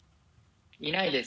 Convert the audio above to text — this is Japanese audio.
いないです。